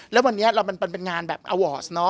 แล้ววันนี้เราเป็นงานแบบอาวอร์ส